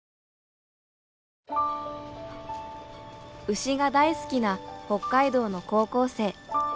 牛が大好きな北海道の高校生。